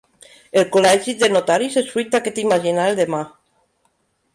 El Col·legi de Notaris és fruit d'aquest imaginar el demà.